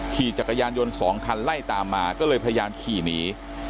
ขี่จักรยานยนต์๒คันไล่ตามมาก็เลยพยายามขี่หนี